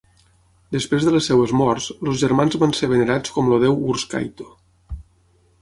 Després de les seves morts, els germans van ser venerats com el déu Wurskaito.